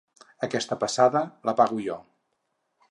Aquesta passada, la pago jo.